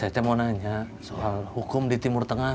saya mau nanya soal hukum di timur tengah